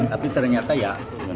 tapi ternyata ya